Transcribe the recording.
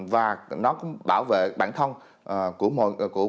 và nó cũng bảo vệ bản thân của người dân